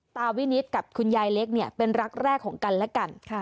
ตาวินิตกับคุณยายเล็กเนี่ยเป็นรักแรกของกันและกัน